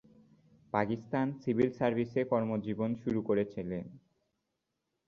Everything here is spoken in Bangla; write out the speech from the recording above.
পাকিস্তান সিভিল সার্ভিসে কর্মজীবন শুরু করেছিলেন।